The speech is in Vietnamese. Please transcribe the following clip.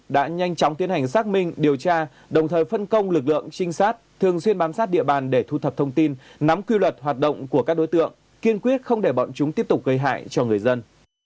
đã nhanh chóng tiến hành xác minh điều tra đồng thời phân công lực lượng trinh sát thường xuyên bám sát địa bàn để thu thập thông tin nắm quy luật hoạt động của các đối tượng kiên quyết không để bọn chúng tiếp tục gây hại cho người dân